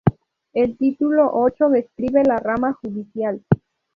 El Título Ocho describe la rama judicial.